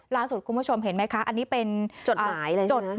ล่าสุดคุณผู้ชมเห็นไหมคะอันนี้เป็นจดหมาย